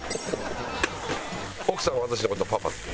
奥さんは私の事「パパ」って。